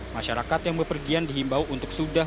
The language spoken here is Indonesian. masyarakat yang berpergian dihimbau untuk sudah